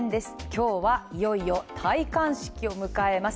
今日はいよいよ戴冠式を迎えます